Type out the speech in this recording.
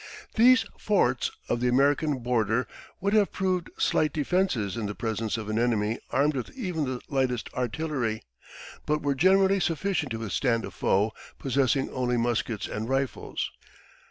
These "forts" of the American border would have proved slight defenses in the presence of an enemy armed with even the lightest artillery, but were generally sufficient to withstand a foe possessing only muskets and rifles.